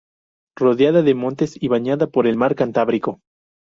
Rodeada de montes y bañada por el Mar Cantábrico.